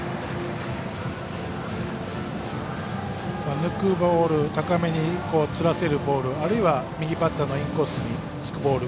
抜くボール高めにつらせるボールあるいは右バッターのインコースにつくボール